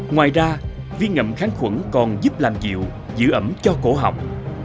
ngoài ra viên ngậm kháng khuẩn còn giúp làm dịu giữ ẩm cho cổ hỏng